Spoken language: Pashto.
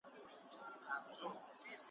چي د غرونو په لمن کي ښکار ته ساز وو `